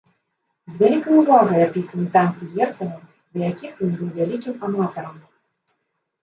З вялікай увагай апісаны танцы герцага, да якіх ён быў вялікім аматарам.